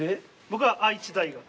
僕は愛知大学。